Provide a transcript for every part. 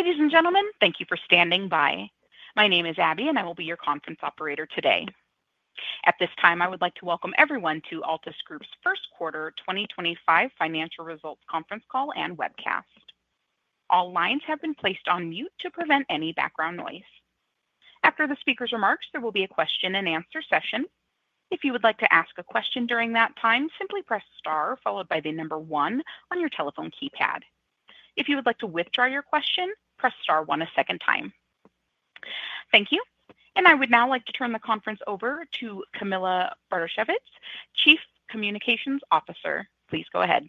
Ladies and gentlemen, thank you for standing by. My name is Abby, and I will be your conference operator today. At this time, I would like to welcome everyone to Altus Group's First Quarter 2025 Financial Results Conference Call and Webcast. All lines have been placed on mute to prevent any background noise. After the speaker's remarks, there will be a question-and-answer session. If you would like to ask a question during that time, simply press star followed by the number one on your telephone keypad. If you would like to withdraw your question, press star one a second time. Thank you. I would now like to turn the conference over to Camilla Bartosiewicz, Chief Communications Officer. Please go ahead.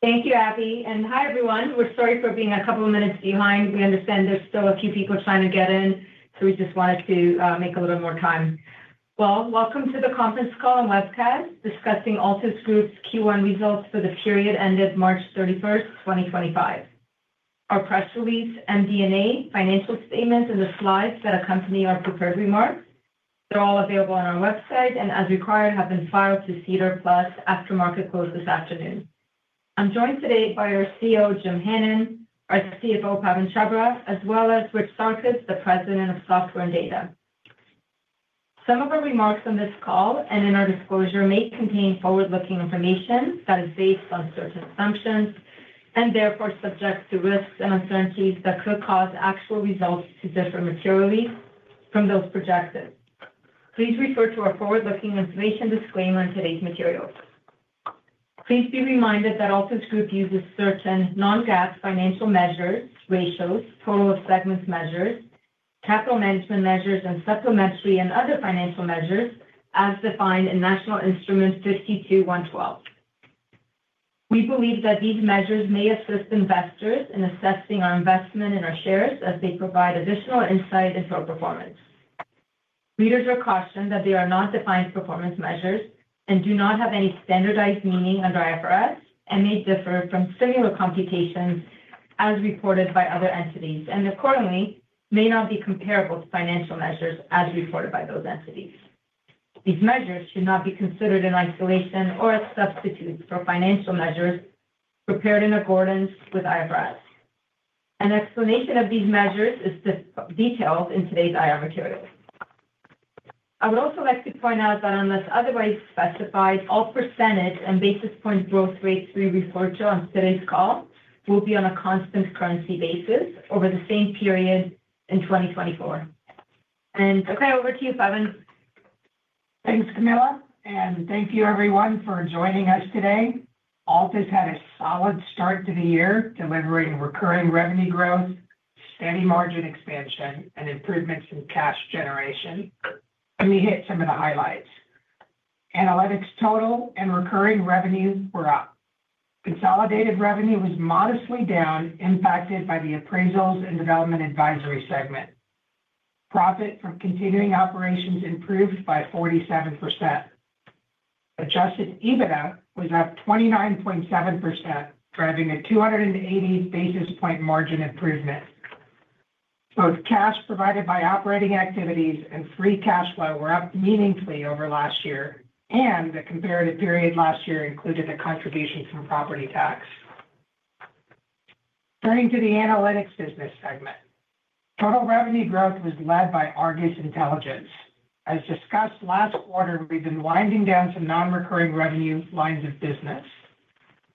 Thank you Abby. Hi, everyone, we're sorry for being a couple of minutes behind we understand there's still a few people trying to get in, so we just wanted to make a little more time. Welcome to the Conference Call and Webcast discussing Altus Group's Q1 results for the period ended March 31, 2025. Our press release, MD&A financial statements, and the slides that accompany our prepared remarks, they're all available on our website and, as required, have been filed to SEDAR+ after market close this afternoon. I'm joined today by our CEO, Jim Hannon, our CFO, Pawan Chhabra, as well as Rich Sarkis, the President of Software and Data. Some of our remarks on this call and in our disclosure may contain forward-looking information that is based on certain assumptions and therefore subject to risks and uncertainties that could cause actual results to differ materially from those projected. Please refer to our forward-looking information disclaimer in today's materials. Please be reminded that Altus Group uses certain non-GAAP financial masures, ratios, total segments measures, capital management measures, and supplementary and other financial measures as defined in National Instrument 52-112. We believe that these measures may assist investors in assessing our investment in our shares as they provide additional insight into our performance. Readers are cautioned that they are not defined performance measures and do not have any standardized meaning under IFRS and may differ from similar computations as reported by other entities and accord`ingly may not be comparable to financial measures as reported by those entities. These measures should not be considered in isolation or as substitutes for financial measures prepared in accordance with IFRS. An explanation of these measures is detailed in todays IR materials. I would also like to point out that unless otherwise specified, all % and basis point growth rates we refer to on todays call will be on a constant currency basis over the same period in 2024. I'll hand over to you, Pawan. Thanks, Camilla. Thank you, everyone, for joining us today. Altus had a solid start to the year delivering recurring revenue growth and a margin expansion, and improvements in cash generation, and we hit some of the highlights. Analytics total and recurring revenue were up. Consolidated revenue was modestly down, impacted by the Appraisals and Development Advisory segment. Profit from continuing operations improved by 47%. Adjusted EBITDA was up 29.7%, driving a 280 basis point margin improvement. Both cash provided by operating activities and free cash flow were up meaningfully over last year, and the comparative period last year included a contribution from property tax. Turning to the Analytics business segment, total revenue growth was led by ARGUS Intelligence. As discussed last quarter, we have been winding down some non-recurring revenue lines of business.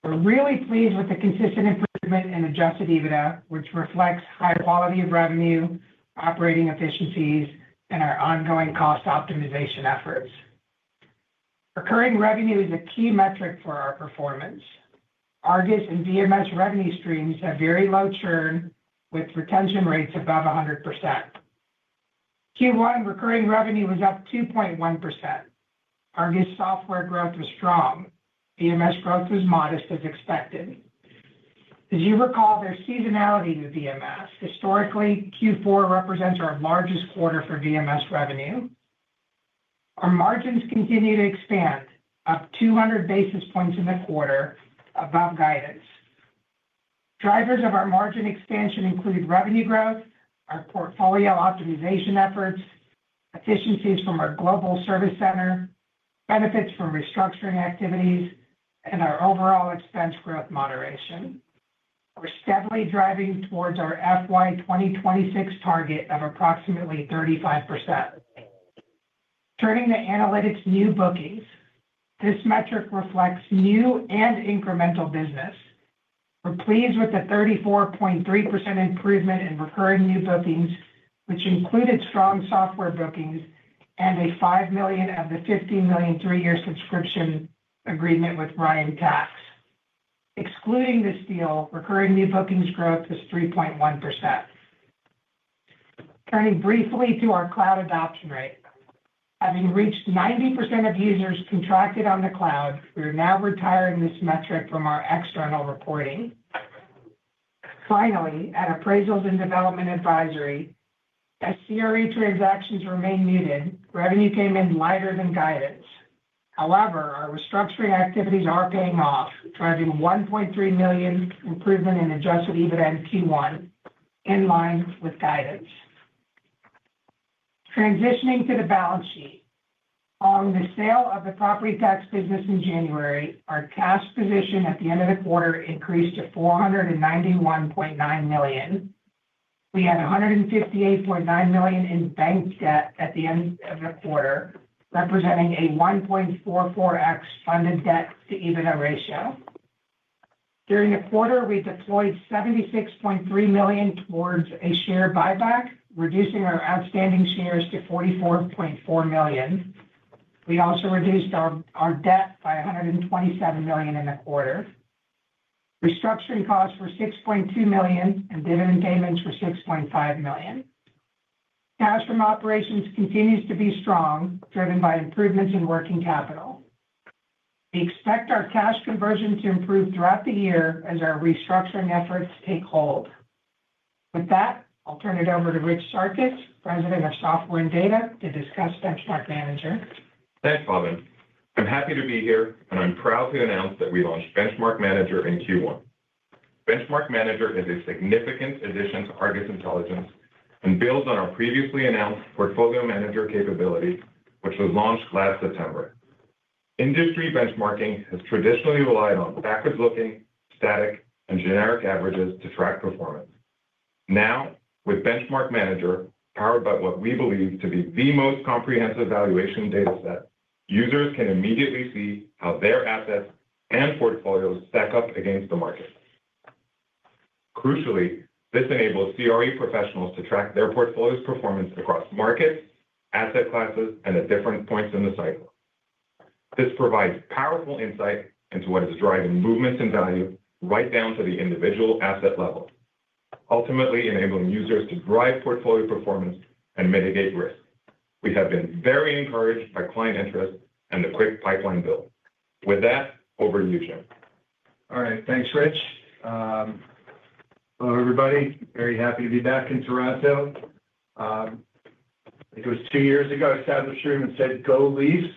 We're really pleased with the consistent improvement in adjusted EBITDA, which reflects higher quality of revenue, operating efficiencies, and our ongoing cost optimization efforts. Recurring revenue is a key metric for our performance. ARGUS and VMS revenue streams have very low churn, with retention rates above 100%. Q1 recurring revenue was up 2.1%. ARGUS software growth was strong. VMS growth was modest, as expected. As you recall, there's seasonality with VMS. Historically, Q4 represents our largest quarter for VMS revenue. Our margins continue to expand, up 200 basis points in the quarter, above guidance. Drivers of our margin expansion include revenue growth, our portfolio optimization efforts, efficiencies from our global service center, benefits from restructuring activities, and our overall expense growth moderation. We're steadily driving towards our FY 2026 target of approximately 35%. Turning to analytics new bookings, this metric reflects new and incremental business. We're pleased with the 34.3% improvement in recurring new bookings, which included strong software bookings and a $5 million of the $15 million three-year subscription agreement with Ryan Tax. Excluding this deal, recurring new bookings growth was 3.1%. Turning briefly to our cloud adoption rate, having reached 90% of users contracted on the cloud, we are now retiring this metric from our external reporting. Finally, at Appraisals and Development Advisory, as CRE transactions remain muted, revenue came in lighter than guidance. However, our restructuring activities are paying off, driving a $1.3 million improvement in adjusted EBITDA in Q1 in line with guidance. Transitioning to the balance sheet, following the sale of the property tax business in January, our cash position at the end of the quarter increased to $491.9 million. We had $158.9 million in bank debt at the end of the quarter, representing a 1.44x funded debt to EBITDA ratio. During the quarter, we deployed $76.3 million towards a share buyback, reducing our outstanding shares to $44.4 million. We also reduced our debt by $127 million in the quarter. Restructuring costs were $6.2 million and dividend payments were $6.5 million. Cash from operations continues to be strong, driven by improvements in working capital. We expect our cash conversion to improve throughout the year as our restructuring efforts take hold. With that, I'll turn it over to Rich Sarkis, President of Software and Data, to discuss Benchmark Manager. Thanks, Pawan. I'm happy to be here, and I'm proud to announce that we launched Benchmark Manager in Q1. Benchmark Manager is a significant addition to ARGUS Intelligence and builds on our previously announced Portfolio Manager capabilities, which was launched last September. Industry benchmarking has traditionally relied on backward-looking, static, and generic averages to track performance. Now, with Benchmark Manager, powered by what we believe to be the most comprehensive valuation data set, users can immediately see how their assets and portfolios stack up against the market. Crucially, this enables CRE professionals to track their portfolio's performance across markets, asset classes, and at different points in the cycle. This provides powerful insight into what is driving movements in value right down to the individual asset level, ultimately enabling users to drive portfolio performance and mitigate risk. We have been very encouraged by client interest and the quick pipeline build. With that, over to you, Jim. All right. Thanks, Rich. Hello, everybody. Very happy to be back in Toronto. I think it was two years ago I sat in the room and said, "Go Leafs."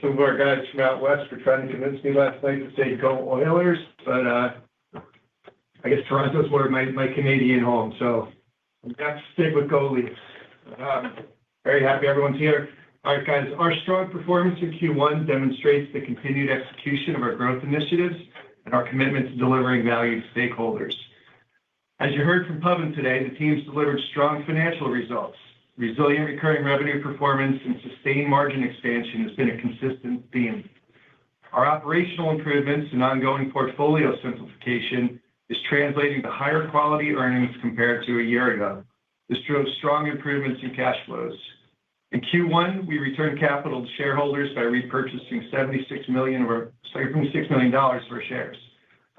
Some of our guys from out West were trying to convince me last night to say, "Go Oilers." I guess Toronto's more of my Canadian home, so I'm going to have to stick with Go Leafs. Very happy everyone's here. All right, guys. Our strong performance in Q1 demonstrates the continued execution of our growth initiatives and our commitment to delivering value to stakeholders. As you heard from Pawan today, the team's delivered strong financial results. Resilient recurring revenue performance and sustained margin expansion has been a consistent theme. Our operational improvements and ongoing portfolio simplification are translating to higher quality earnings compared to a year ago. This drove strong improvements in cash flows. In Q1, we returned capital to shareholders by repurchasing $76 million of our shares.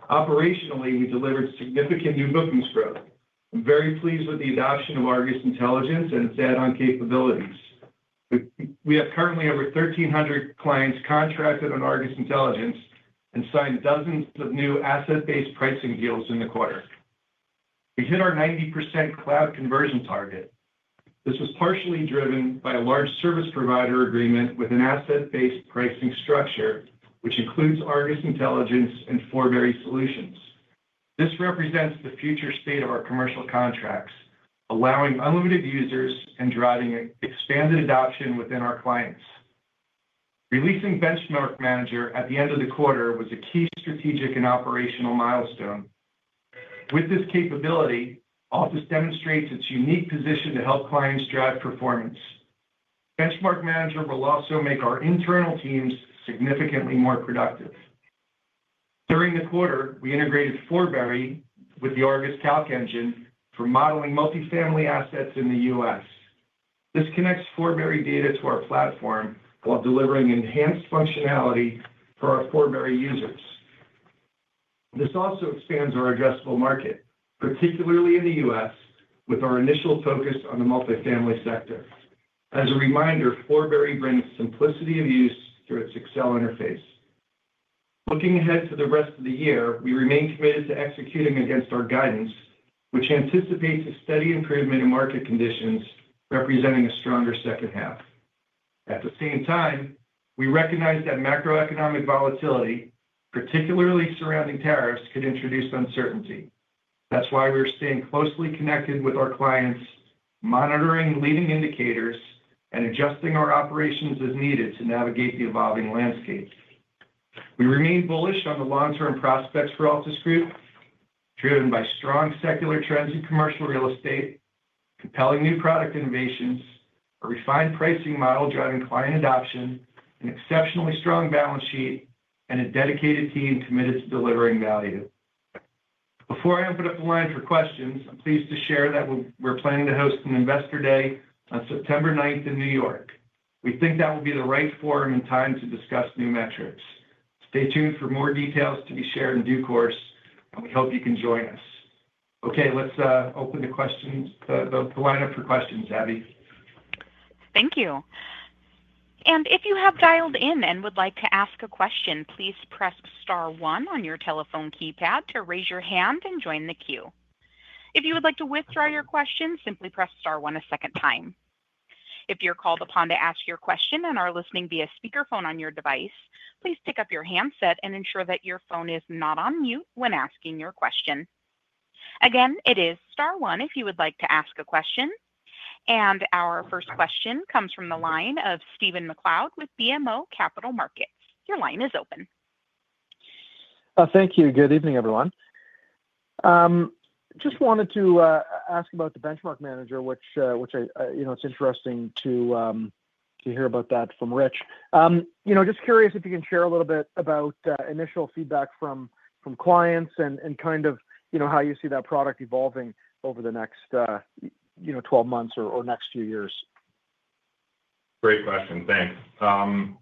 Operationally, we delivered significant new bookings growth. I'm very pleased with the adoption of Argus Intelligence and its add-on capabilities. We have currently over 1,300 clients contracted on Argus Intelligence and signed dozens of new asset-based pricing deals in the quarter. We hit our 90% cloud conversion target. This was partially driven by a large service provider agreement with an asset-based pricing structure, which includes Argus Intelligence and FourBerry Solutions. This represents the future state of our commercial contracts, allowing unlimited users and driving expanded adoption within our clients. Releasing Benchmark Manager at the end of the quarter was a key strategic and operational milestone. With this capability, Altus demonstrates its unique position to help clients drive performance. Benchmark Manager will also make our internal teams significantly more productive. During the quarter, we integrated Forbury with the Argus Calc engine for modeling multifamily assets in the U.S. This connects Forbury data to our platform while delivering enhanced functionality for our Forbury users. This also expands our addressable market, particularly in the U.S., with our initial focus on the multifamily sector. As a reminder, Forbury brings simplicity of use through its Excel interface. Looking ahead to the rest of the year, we remain committed to executing against our guidance, which anticipates a steady improvement in market conditions, representing a stronger second half. At the same time, we recognize that macroeconomic volatility, particularly surrounding tariffs, could introduce uncertainty. That's why we're staying closely connected with our clients, monitoring leading indicators and adjusting our operations as needed to navigate the evolving landscape. We remain bullish on the long-term prospects for Altus Group, driven by strong secular trends in commercial real estate, compelling new product innovations, a refined pricing model driving client adoption, an exceptionally strong balance sheet, and a dedicated team committed to delivering value. Before I open up the line for questions, I'm pleased to share that we're planning to host an Investor Day on September 9th in New York. We think that will be the right forum and time to discuss new metrics. Stay tuned for more details to be shared in due course, and we hope you can join us. Okay, let's open the questions, the lineup for questions, Abby. Thank you. If you have dialed in and would like to ask a question, please press star one on your telephone keypad to raise your hand and join the queue. If you would like to withdraw your question, simply press star one a second time. If you are called upon to ask your question and are listening via speakerphone on your device, please pick up your handset and ensure that your phone is not on mute when asking your question. Again, it is star one if you would like to ask a question. Our first question comes from the line of Stephen MacLeod with BMO Capital Markets. Your line is open. Thank you. Good evening, everyone. Just wanted to ask about the Benchmark Manager, which it's interesting to hear about that from Rich. Just curious if you can share a little bit about initial feedback from clients and kind of how you see that product evolving over the next 12 months or next few years. Great question. Thanks,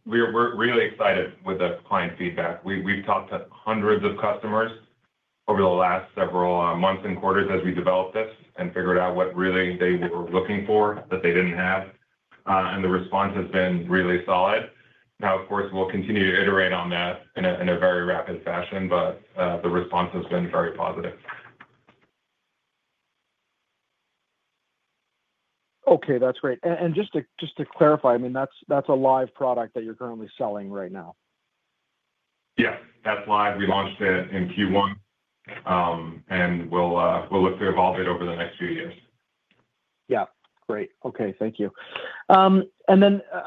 we're really excited with the client feedback. We've talked to hundreds of customers over the last several months and quarters as we developed this and figured out what really they were looking for that they did not have. The response has been really solid. Now of course we'll continue to iterate on that in a very rapid fashion, but the response has been very positive. Okay, that's great. Just to clarify, I mean, that's a live product that you're currently selling right now? Yeah that's live. We launched it in Q1, and we'll look to evolve it over the next few years. Yeah great. Okay, thank you. I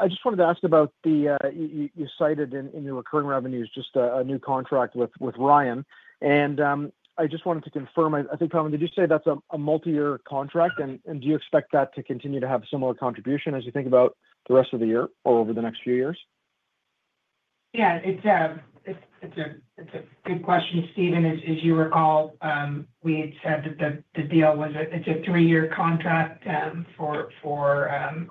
just wanted to ask about the, you cited in your recurring revenues just a new contract with Ryan. I just wanted to confirm, I think Pawan, did you say that's a multi-year contract? Do you expect that to continue to have similar contribution as you think about the rest of the year or over the next few years? Yeah, it's a good question, Stephen. As you recall, we had said that the deal was a three-year contract for their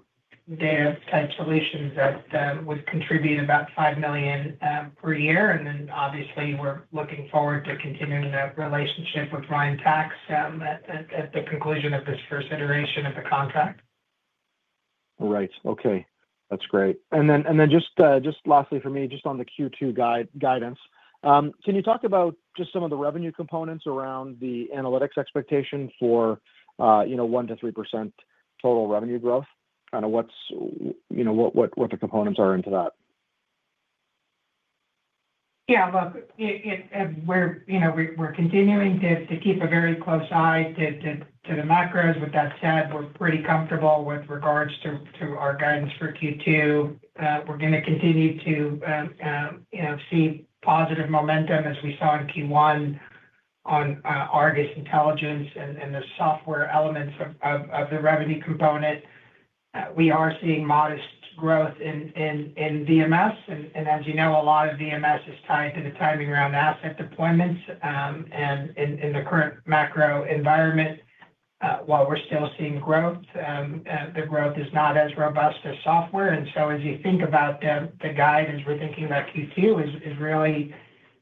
tax solutions that would contribute about $5 million per year. Obviously, we're looking forward to continuing that relationship with Ryan Tax at the conclusion of this first iteration of the contract. Right. Okay. That's great. Lastly for me, just on the Q2 guidance, can you talk about just some of the revenue components around the analytics expectation for 1-3% total revenue growth? Kind of what the components are into that? Yeah, look, we're continuing to keep a very close eye to the macros. With that said, we're pretty comfortable with regards to our guidance for Q2. We're going to continue to see positive momentum as we saw in Q1 on ARGUS Intelligence and the software elements of the revenue component. We are seeing modest growth in VMS. As you know a lot of VMS is tied to the timing around asset deployments. In the current macro environment, while we're still seeing growth, the growth is not as robust as software. As you think about the guidance, we're thinking about Q2 as really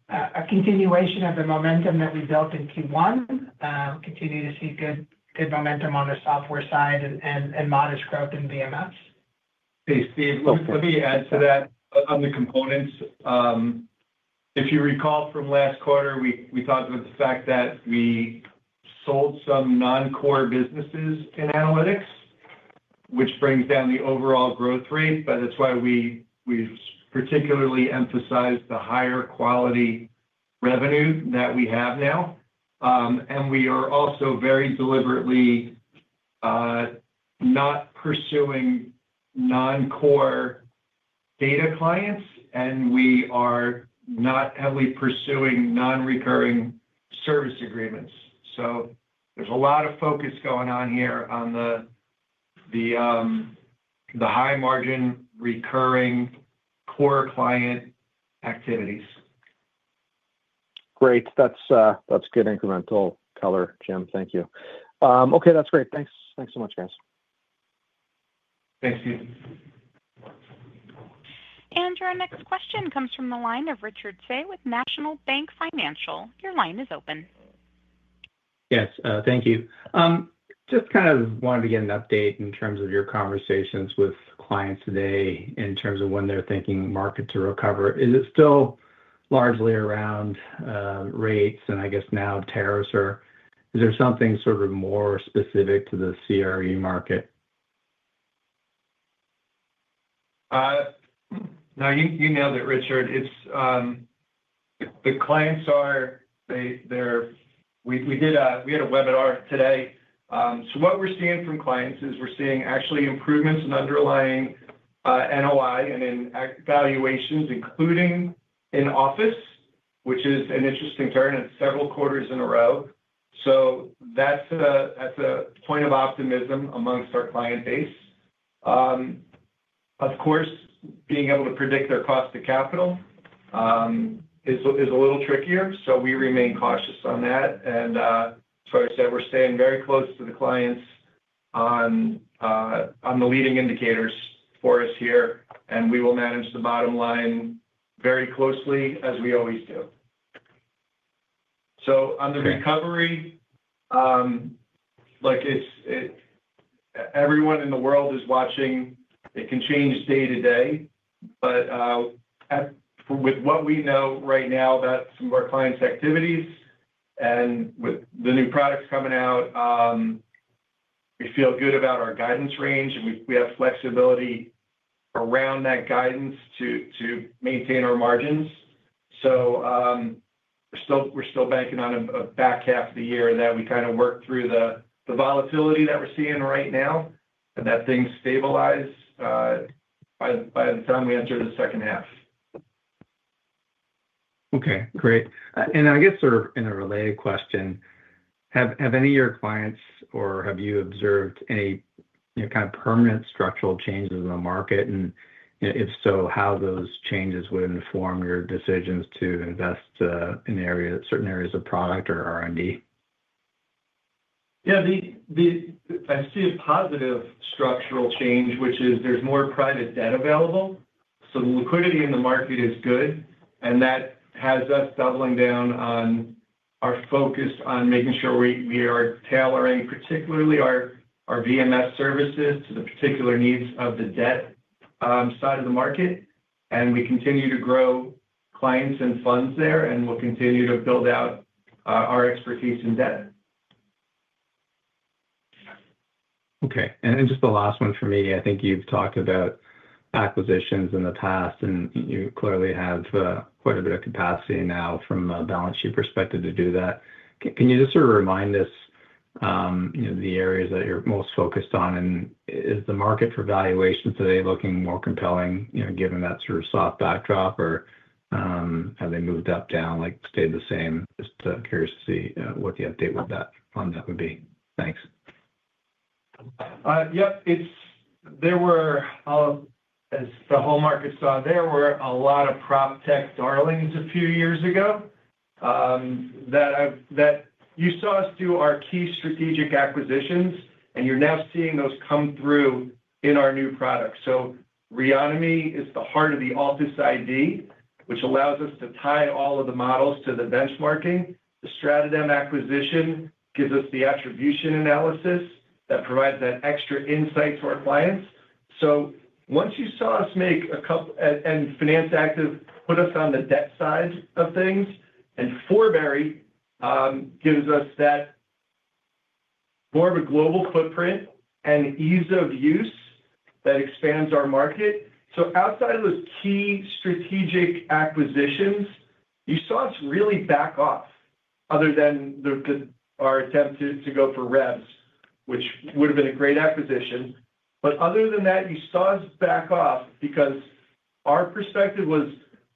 a continuation of the momentum that we built in Q1. Continue to see good momentum on the software side and modest growth in VMS. Hey Steve look, let me add to that on the components. If you recall from last quarter, we talked about the fact that we sold some non-core businesses in analytics, which brings down the overall growth rate. That is why we have particularly emphasized the higher quality revenue that we have now. We are also very deliberately not pursuing non-core data clients, and we are not heavily pursuing non-recurring service agreements. There is a lot of focus going on here on the high-margin recurring core client activities. Great. That's good incremental color, Jim. Thank you. Okay, that's great. Thanks so much, guys. Thanks, Steve. Your next question comes from the line of Richard Tse with National Bank Financial. Your line is open. Yes, thank you. Just kind of wanted to get an update in terms of your conversations with clients today in terms of when they're thinking market to recover. Is it still largely around rates? I guess now tariffs are. Is there something sort of more specific to the CRE market? Now, you nailed it Richard. The clients are. We had a webinar today. What we're seeing from clients is we're seeing actually improvements in underlying NOI and in valuations, including in office, which is an interesting turn in several quarters in a row. That is a point of optimism amongst our client base. Of course, being able to predict their cost of capital is a little trickier, so we remain cautious on that. I said we're staying very close to the clients on the leading indicators for us here, and we will manage the bottom line very closely as we always do. On the recovery, everyone in the world is watching. It can change day to day. With what we know right now about some of our clients' activities and with the new products coming out, we feel good about our guidance range. We have flexibility around that guidance to maintain our margins. We are still banking on a back half of the year that we kind of work through the volatility that we are seeing right now and that things stabilize by the time we enter the second half. Okay, great. I guess sort of in a related question, have any of your clients or have you observed any kind of permanent structural changes in the market? If so, how those changes would inform your decisions to invest in certain areas of product or R&D? Yeah, I see a positive structural change, which is there's more private debt available. The liquidity in the market is good, and that has us doubling down on our focus on making sure we are tailoring, particularly our VMS services to the particular needs of the debt side of the market. We continue to grow clients and funds there, and we'll continue to build out our expertise in debt. Okay. Just the last one for me. I think you've talked about acquisitions in the past, and you clearly have quite a bit of capacity now from a balance sheet perspective to do that. Can you just sort of remind us the areas that you're most focused on? Is the market for valuations today looking more compelling given that sort of soft backdrop, or have they moved up down stayed the same? Just curious to see what the update on that would be. Thanks. Yep. There were as the whole market saw, there were a lot of prop tech darlings a few years ago that you saw us do our key strategic acquisitions, and you're now seeing those come through in our new product. Reonomy is the heart of the Altus ID, which allows us to tie all of the models to the benchmarking. The StratoDem acquisition gives us the attribution analysis that provides that extra insight to our clients. Once you saw us make a couple and Finance Active put us on the debt side of things. Forbury gives us that more of a global footprint and ease of use that expands our market. Outside of those key strategic acquisitions, you saw us really back off other than our attempt to go for revs, which would have been a great acquisition. Other than that, you saw us back off because our perspective was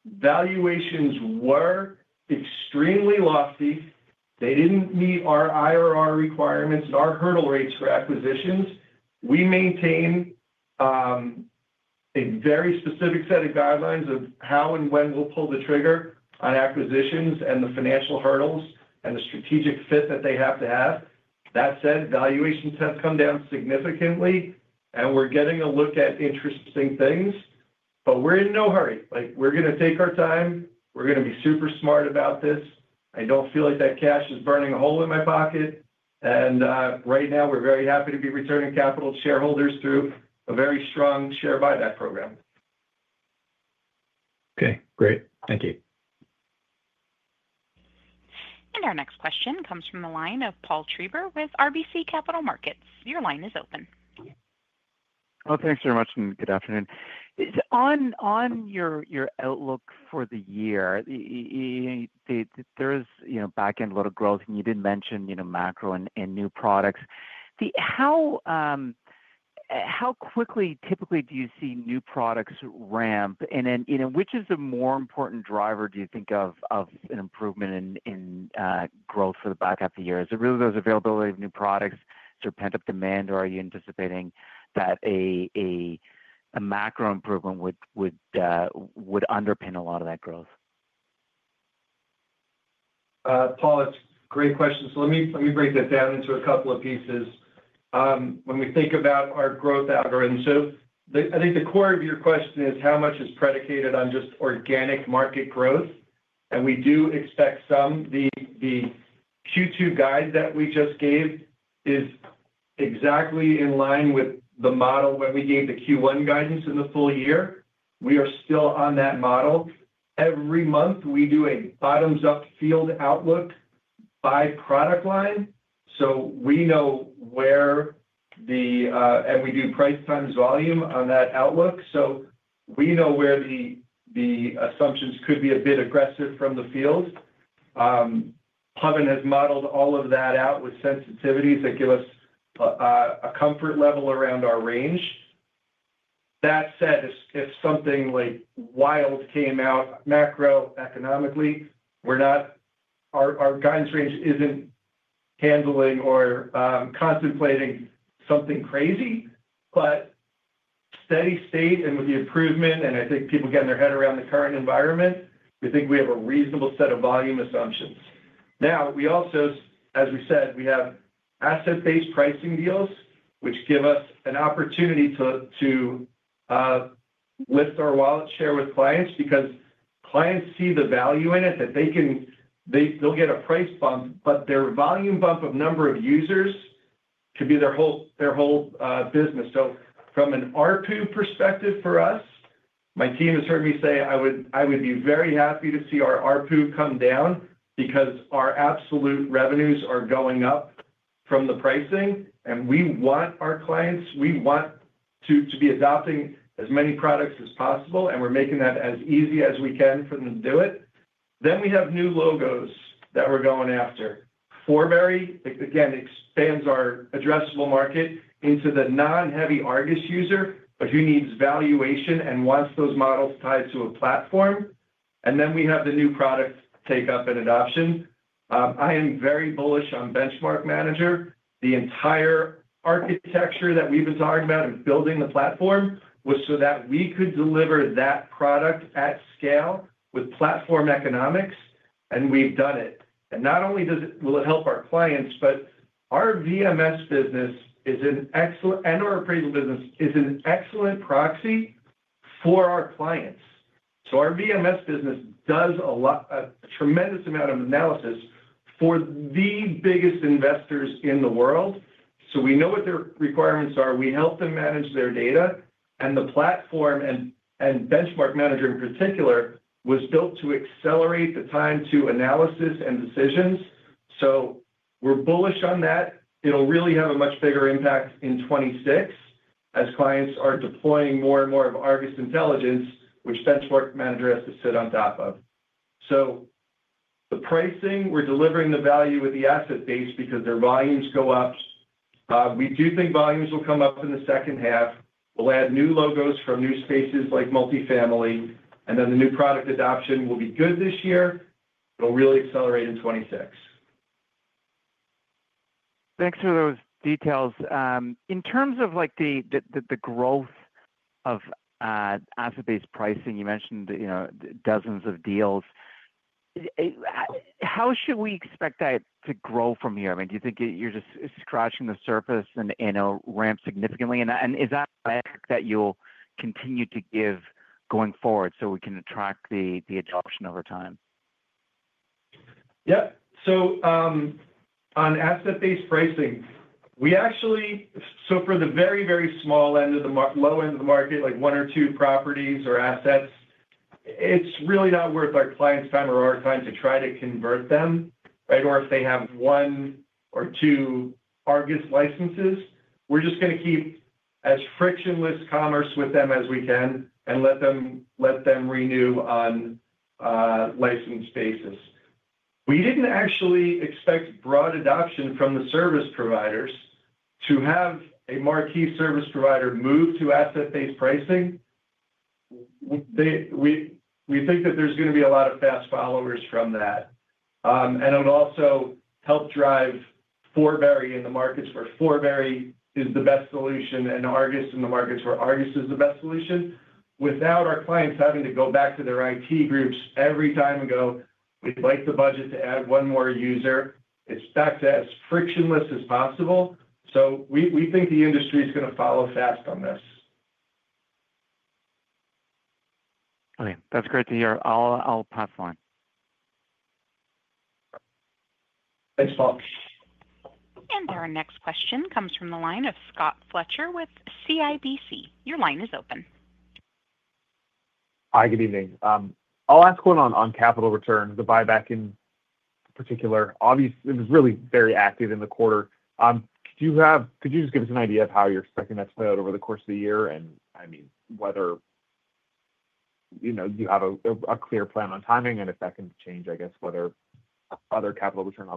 valuations were extremely lofty. They did not meet our IRR requirements and our hurdle rates for acquisitions. We maintain a very specific set of guidelines of how and when we will pull the trigger on acquisitions and the financial hurdles and the strategic fit that they have to have. That said valuations have come down significantly, and we are getting a look at interesting things. We are in no hurry. We are going to take our time. We are going to be super smart about this. I do not feel like that cash is burning a hole in my pocket. Right now, we are very happy to be returning capital to shareholders through a very strong share buyback program. Okay, great. Thank you. Our next question comes from the line of Paul Treiber with RBC Capital Markets. Your line is open. Oh, thanks very much, and good afternoon. On your outlook for the year, there is back-end a little growth, and you did mention macro and new products. How quickly, typically, do you see new products ramp? And which is the more important driver, do you think, of an improvement in growth for the back half of the year? Is it really those availability of new products, serpent up demand, or are you anticipating that a macro improvement would underpin a lot of that growth? Paul, it's a great question. Let me break that down into a couple of pieces. When we think about our growth algorithm, I think the core of your question is how much is predicated on just organic market growth. We do expect some. The Q2 guide that we just gave is exactly in line with the model when we gave the Q1 guidance in the full year. We are still on that model. Every month, we do a bottoms-up field outlook by product line. We know where the, and we do price times volume on that outlook. We know where the assumptions could be a bit aggressive from the field. Pawan has modeled all of that out with sensitivities that give us a comfort level around our range. That said, if something like wild came out macroeconomically, our guidance range is not handling or contemplating something crazy. Steady state and with the improvement and I think people getting their head around the current environment, we think we have a reasonable set of volume assumptions. Now we also as we said, we have asset-based pricing deals, which give us an opportunity to lift our wallet share with clients because clients see the value in it that they can, they'll get a price bump, but their volume bump of number of users could be their whole business. From an RPU perspective for us, my team has heard me say I would be very happy to see our RPU come down because our absolute revenues are going up from the pricing. We want our clients, we want to be adopting as many products as possible, and we're making that as easy as we can for them to do it. We have new logos that we're going after. Forbury, again, expands our addressable market into the non-heavy Argus user, but who needs valuation and wants those models tied to a platform. We have the new product take-up and adoption. I am very bullish on Benchmark Manager. The entire architecture that we've been talking about in building the platform was so that we could deliver that product at scale with platform economics, and we've done it. Not only will it help our clients, but our VMS business is an excellent, and our appraisal business is an excellent proxy for our clients. Our VMS business does a tremendous amount of analysis for the biggest investors in the world. We know what their requirements are. We help them manage their data. The platform and Benchmark Manager in particular was built to accelerate the time to analysis and decisions. We are bullish on that. It'll really have a much bigger impact in 2026 as clients are deploying more and more of ARGUS Intelligence, which Benchmark Manager has to sit on top of. The pricing, we're delivering the value with the asset base because their volumes go up. We do think volumes will come up in the second half. We'll add new logos from new spaces like multifamily. The new product adoption will be good this year. It'll really accelerate in 2026. Thanks for those details. In terms of the growth of asset-based pricing, you mentioned dozens of deals. How should we expect that to grow from here? I mean, do you think you're just scratching the surface and it'll ramp significantly? Is that a factor that you'll continue to give going forward so we can track the adoption over time? Yep. On asset-based pricing, we actually, for the very very small end of the low end of the market, like one or two properties or assets, it's really not worth our clients time or our time to try to convert them, right? Or if they have one or two ARGUS licenses, we're just going to keep as frictionless commerce with them as we can and let them renew on a license basis. We didn't actually expect broad adoption from the service providers to have a marquee service provider move to asset-based pricing. We think that there's going to be a lot of fast followers from that. It will also help drive Forbury in the markets where Forbury is the best solution and ARGUS in the markets where ARGUS is the best solution. Without our clients having to go back to their IT groups every time and go, "We'd like the budget to add one more user." It is back to as frictionless as possible. We think the industry is going to follow fast on this. Okay. That's great to hear. I'll pass on. Thanks, Paul. Our next question comes from the line of Scott Fletcher with CIBC. Your line is open. Hi, good evening. I'll ask one on capital returns, the buyback in particular. Obviously, it was really very active in the quarter. Could you just give us an idea of how you're expecting that to play out over the course of the year and, I mean, whether you have a clear plan on timing and if that can change, I guess, whether other capital return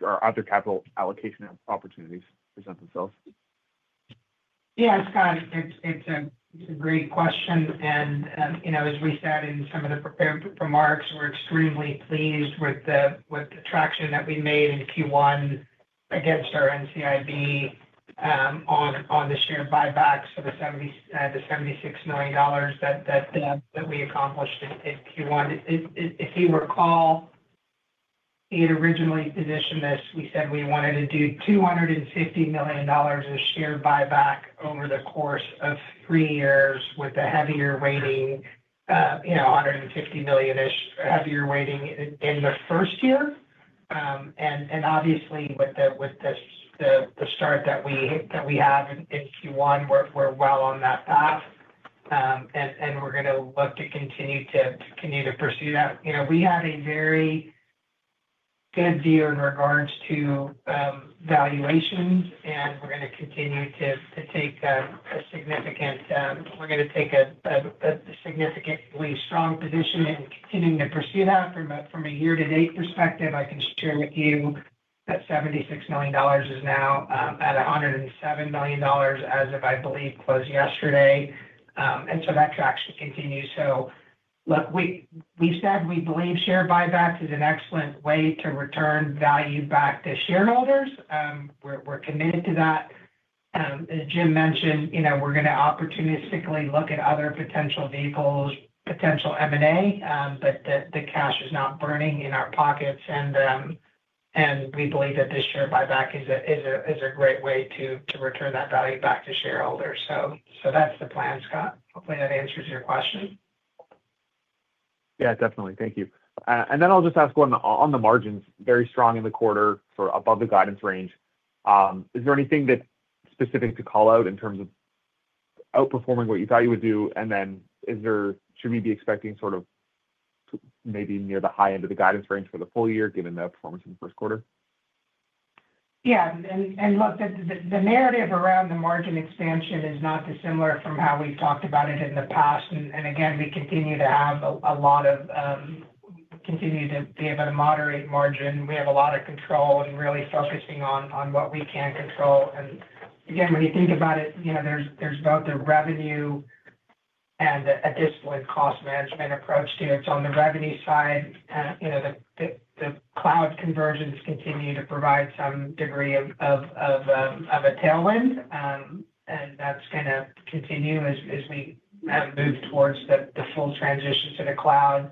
or other capital allocation opportunities present themselves? Yeah Scott, it's a great question. As we said in some of the prepared remarks we're extremely pleased with the traction that we made in Q1 against our NCIB on the share buyback, so the $76 million that we accomplished in Q1. If you recall, we had originally positioned this. We said we wanted to do $250 million of share buyback over the course of three years with a heavier rating, $150 million heavier rating in the first year. Obviously, with the start that we have in Q1 we're well on that path, and we're going to look to continue to pursue that. We have a very good view in regards to valuations, and we're going to continue to take a significantly strong position in continuing to pursue that. From a year-to-date perspective, I can share with you that $76 million is now at $107 million as of, I believe, close yesterday. That traction continues. We have said we believe share buyback is an excellent way to return value back to shareholders. We are committed to that. As Jim mentioned, we are going to opportunistically look at other potential vehicles, potential M&A, but the cash is not burning in our pockets. We believe that this share buyback is a great way to return that value back to shareholders. That is the plan, Scott. Hopefully, that answers your question. Yeah, definitely. Thank you. I'll just ask one on the margins. Very strong in the quarter, far above the guidance range. Is there anything specific to call out in terms of outperforming what you thought you would do? Should we be expecting sort of maybe near the high end of the guidance range for the full year given the performance in the first quarter? Yeah. Look, the narrative around the margin expansion is not dissimilar from how we have talked about it in the past. Again, we continue to have a lot of, we continue to be able to moderate margin. We have a lot of control and are really focusing on what we can control. Again, when you think about it, there is both the revenue and a disciplined cost management approach to it. It is on the revenue side. The cloud convergence continues to provide some degree of a tailwind, and that is going to continue as we move towards the full transition to the cloud.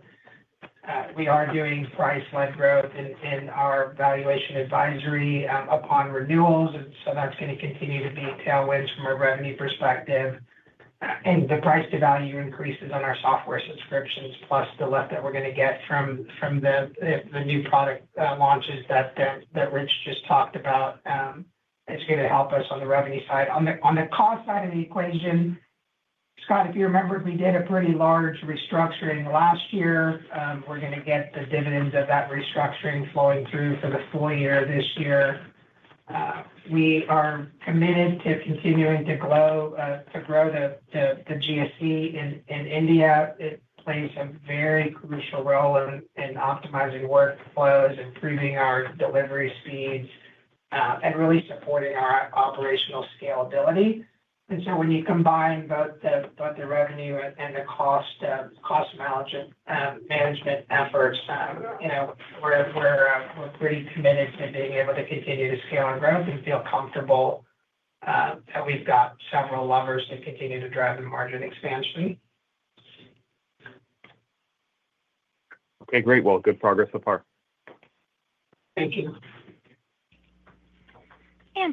We are doing price-led growth in our valuation advisory upon renewals, and that is going to continue to be tailwinds from a revenue perspective. The price-to-value increases on our software subscriptions, plus the lift that we're going to get from the new product launches that Rich just talked about, is going to help us on the revenue side. On the cost side of the equation, Scott, if you remember, we did a pretty large restructuring last year. We're going to get the dividends of that restructuring flowing through for the full year this year. We are committed to continuing to grow the GSE in India. It plays a very crucial role in optimizing workflows, improving our delivery speeds, and really supporting our operational scalability. When you combine both the revenue and the cost management efforts, we're pretty committed to being able to continue to scale and grow and feel comfortable that we've got several levers to continue to drive the margin expansion. Okay, great. Good progress so far. Thank you.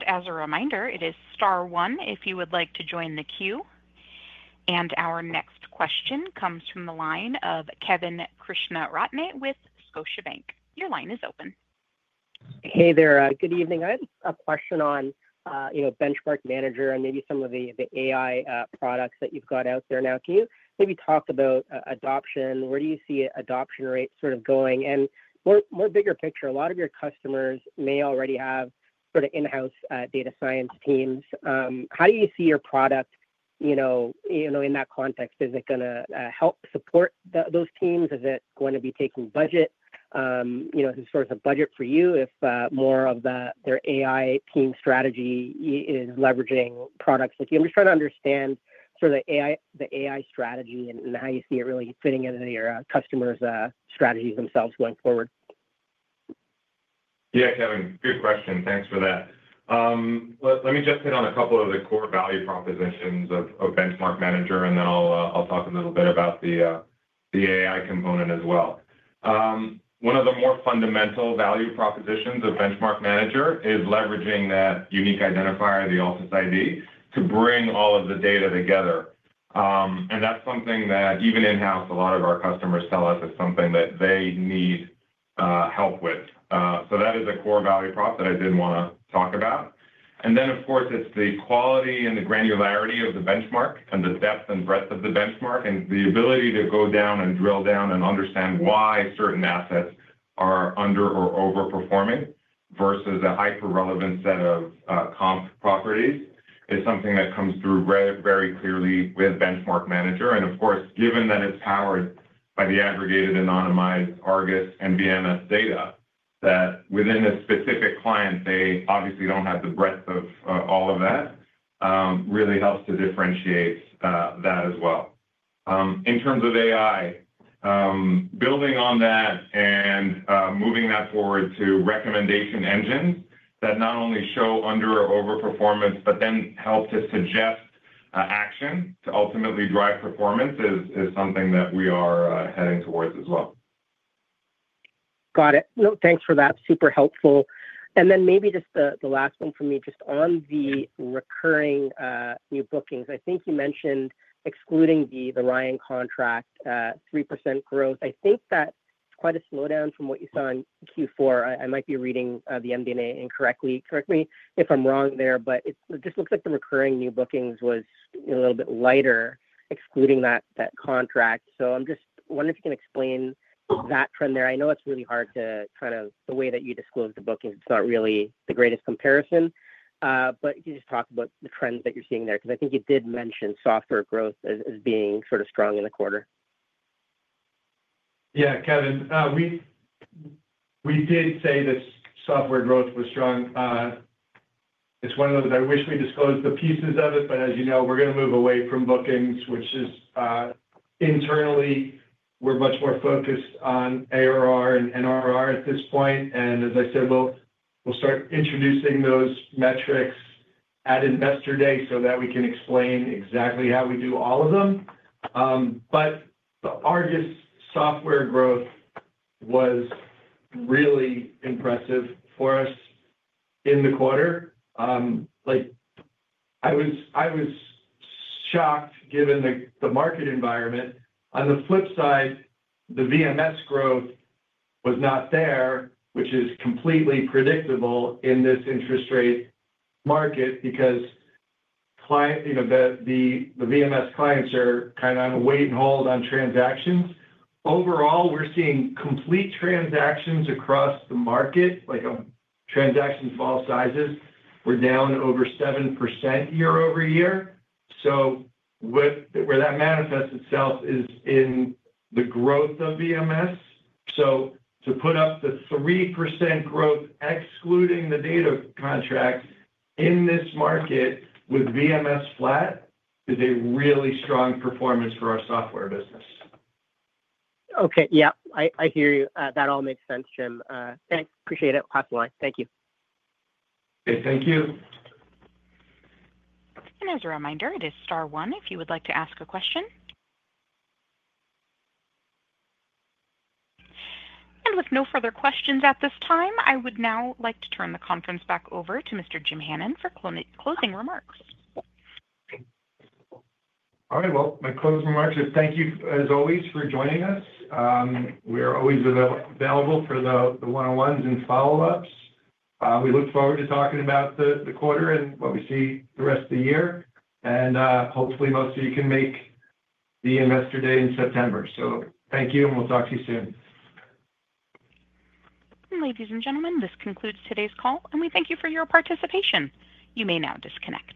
As a reminder, it is Star One if you would like to join the queue. Our next question comes from the line of Kevin Krishnaratne with Scotiabank. Your line is open. Hey there. Good evening. I had a question on Benchmark Manager and maybe some of the AI products that you've got out there now. Can you maybe talk about adoption? Where do you see adoption rate sort of going? More bigger picture, a lot of your customers may already have sort of in-house data science teams. How do you see your product in that context? Is it going to help support those teams? Is it going to be taking budget? Is there a budget for you if more of their AI team strategy is leveraging products? I'm just trying to understand sort of the AI strategy and how you see it really fitting into your customers strategies themselves going forward. Yeah Kevin, good question. Thanks for that. Let me just hit on a couple of the core value propositions of Benchmark Manager, and then I'll talk a little bit about the AI component as well. One of the more fundamental value propositions of Benchmark Manager is leveraging that unique identifier, the Altus ID, to bring all of the data together. That's something that even in-house, a lot of our customers tell us is something that they need help with. That is a core value prop that I did want to talk about. Of course, it's the quality and the granularity of the benchmark and the depth and breadth of the benchmark and the ability to go down and drill down and understand why certain assets are under or overperforming versus a hyper-relevant set of comp properties is something that comes through very clearly with Benchmark Manager. Of course, given that it's powered by the aggregated, anonymized ARGUS and VMS data that within a specific client, they obviously don't have the breadth of all of that, really helps to differentiate that as well. In terms of AI, building on that and moving that forward to recommendation engines that not only show under or overperformance, but then help to suggest action to ultimately drive performance is something that we are heading towards as well. Got it. No, thanks for that. Super helpful. Maybe just the last one for me, just on the recurring new bookings. I think you mentioned excluding the Ryan Tax contract, 3% growth. I think that's quite a slowdown from what you saw in Q4. I might be reading the MD&A incorrectly. Correct me if I'm wrong there, but it just looks like the recurring new bookings was a little bit lighter excluding that contract. I'm just wondering if you can explain that trend there. I know it's really hard to kind of the way that you disclose the bookings, it's not really the greatest comparison. You just talked about the trends that you're seeing there because I think you did mention software growth as being sort of strong in the quarter. Yeah Kevin, we did say that software growth was strong. It's one of those I wish we disclosed the pieces of it, but as you know, we're going to move away from bookings, which is internally, we're much more focused on ARR and NRR at this point. As I said, we'll start introducing those metrics at Investor Day so that we can explain exactly how we do all of them. The ARGUS software growth was really impressive for us in the quarter. I was shocked given the market environment. On the flip side, the VMS growth was not there, which is completely predictable in this interest rate market because the VMS clients are kind of on a wait-and-hold on transactions. Overall, we're seeing complete transactions across the market, like transaction fall sizes, we're down over 7% year over year. Where that manifests itself is in the growth of VMS. To put up the 3% growth, excluding the data contracts in this market with VMS flat, is a really strong performance for our software business. Okay. Yeah, I hear you. That all makes sense, Jim. Thanks. Appreciate it. Pass the line. Thank you. Okay. Thank you. As a reminder, it is Star One if you would like to ask a question. With no further questions at this time, I would now like to turn the conference back over to Mr. Jim Hannon for closing remarks. All right. My closing remarks are thank you as always for joining us. We are always available for the one-on-ones and follow-ups. We look forward to talking about the quarter and what we see the rest of the year. Hopefully, most of you can make the investor day in September. Thank you, and we'll talk to you soon. Ladies and gentlemen, this concludes today's call, and we thank you for your participation. You may now disconnect.